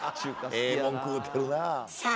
ええもん食うてるなあ。